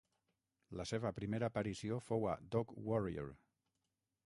La seva primera aparició fou a "Dog Warrior".